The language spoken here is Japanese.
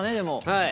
はい。